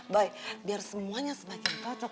baik biar semuanya semakin cocok